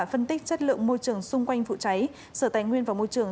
phân tích chất lượng môi trường xung quanh vụ cháy sở tài nguyên và môi trường